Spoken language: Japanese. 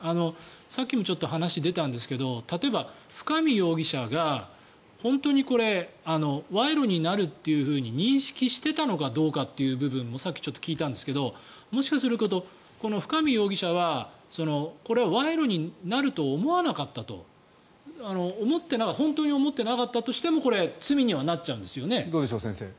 さっきも話に出たんですけど例えば、深見容疑者が本当に賄賂になるって認識していたのかどうかという部分もさっきも聞いたんですけどもしかすると、深見容疑者はこれは賄賂になると思わなかったと本当に思ってなかったとしても罪になっちゃうんですよね。